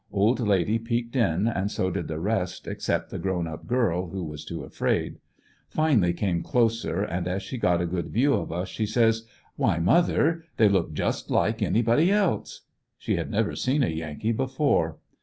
Old lady peeked in, and so did the rest except the grown up girl, who was too afraid. Finally came closer, and as she got a good view of us she says :* 'Why, mother, they look just like anybody else." She had never seen a Yankee before.